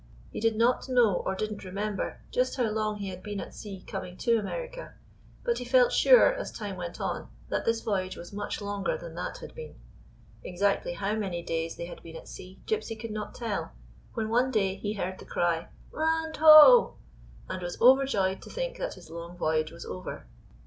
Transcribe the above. He did At know or did n't remember just how long he had been at sea coming to America; but he felt sure, as time went on, that this voyage was much longer than that had been. Exactly how many days they had been at sea Gypsy could not tell, when M3 GYPSY, THE TALKING DOG one day lie heard the cry, " Land, lio!" and was overjoyed to think that his long voyage was over.